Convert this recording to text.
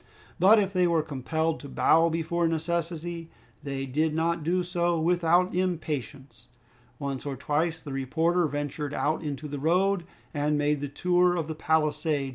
But if they were compelled to bow before necessity, they did not do so without impatience. Once or twice the reporter ventured out into the road and made the tour of the palisade.